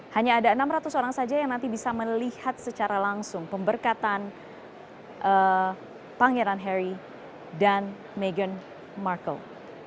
hanya ada enam ratus orang saja yang nanti bisa melihat secara langsung pemberkatan pangeran harry dan meghan markle